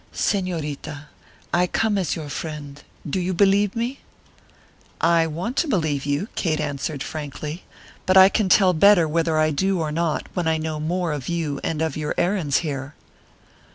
"Señorita, I come as your friend; do you believe me?" "I want to believe you," Kate answered, frankly, "but I can tell better whether I do or not when I know more of you and of your errands here."